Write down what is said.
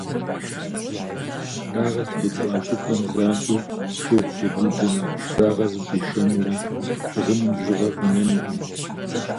Дагъэ зытеткӏуа щӏыпӏэм занщӏэу шыгъу тебудэмэ, дагъэр зыщӏишэнурэ щыгъыным бжьыгъэ къинэнукъым.